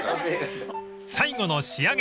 ［最後の仕上げ］